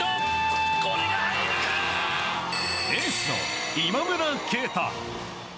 エースの今村佳太。